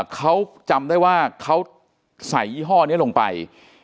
เขาจำได้ว่าเขาใส่ยี่ห้อนี้ลงไป